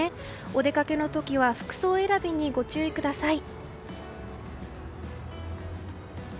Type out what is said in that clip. お出かけの時は服装選びにご注意ください。